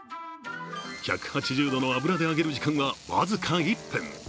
１８０度の油で揚げる時間は僅か１分。